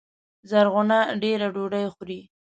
زرغونه دېره ډوډۍ خوري